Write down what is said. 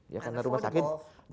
ya karena rumah sakit